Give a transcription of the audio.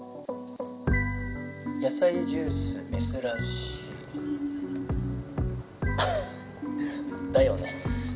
「野菜ジュース珍しい」「アハッだよね」